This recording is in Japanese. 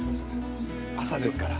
朝ですから。